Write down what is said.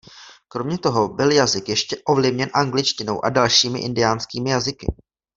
Kromě toho byl jazyk ještě ovlivněn angličtinou a dalším indiánskými jazyky.